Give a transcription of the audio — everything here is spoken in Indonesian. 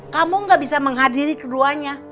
kamu gak bisa menghadiri keduanya